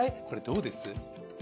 これどうです？